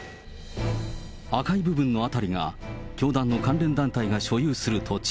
赤い部分の辺りが、教団の関連団体が所有する土地。